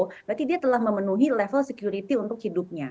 berarti dia telah memenuhi level security untuk hidupnya